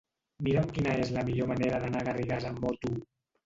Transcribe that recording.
Mira'm quina és la millor manera d'anar a Garrigàs amb moto.